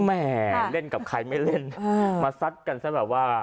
แม่เล่นกับใครไม่เล่นมาซัดกันซะแบบว่า